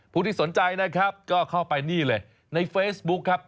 ผู้ที่สนใจนะครับก็เข้าไปนี่เลยในเฟซบุ๊คครับ